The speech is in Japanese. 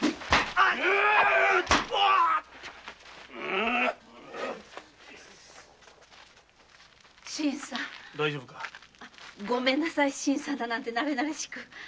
あごめんなさい「新さん」だなんてなれなれしく。